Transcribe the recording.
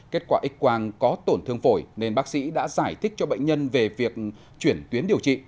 kết quả x quang có tổn thương phổi nên bác sĩ đã giải thích cho bệnh nhân về việc chuyển tuyến điều trị